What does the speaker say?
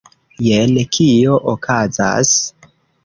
Jen kio okazas